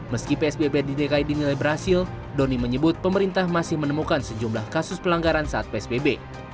meski psbb di dki dinilai berhasil doni menyebut pemerintah masih menemukan sejumlah kasus pelanggaran saat psbb